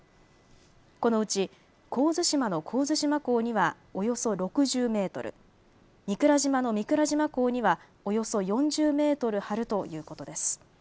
このうち神津島の神津島港にはおよそ６０メートル、御蔵島の御蔵島港にはおよそ４０メートル張るということです。